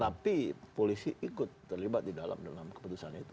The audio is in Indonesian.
tapi polisi ikut terlibat di dalam keputusan itu